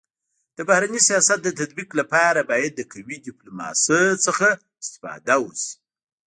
د بهرني سیاست د تطبيق لپاره باید د قوي ډيپلوماسی څخه استفاده وسي.